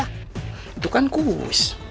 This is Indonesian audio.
itu kan kus